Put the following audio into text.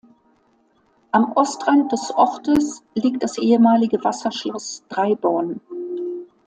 Am Ostrand des Ortes liegt das ehemalige Wasserschloss Dreiborn.